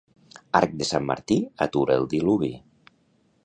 Arc de sant Martí atura el diluvi.